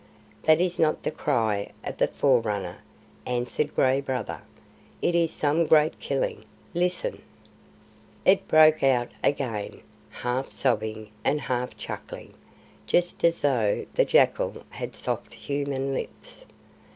"That is not the cry of the Forerunner," answered Gray Brother. "It is some great killing. Listen!" It broke out again, half sobbing and half chuckling, just as though the jackal had soft human lips.